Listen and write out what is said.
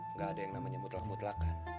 enggak ada yang menyebutlah mutlakan